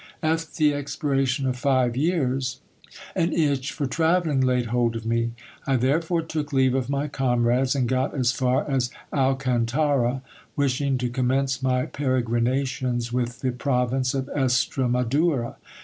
At the expiration of five years, an itch for travelling laid hold of me. I therefore took leave of my comrades and got as far as Alcantara, wishing to commence my peregrinations with the province of Estremadura.